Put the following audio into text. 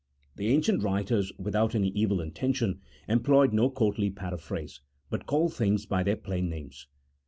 The ancient writers, without any evil intention, employed zio courtly paraphrase, but called things by their plain names.